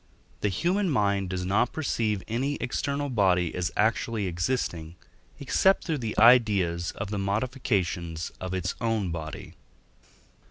The human mind does not perceive any external body as actually existing, except through the ideas of the modifications of its own body.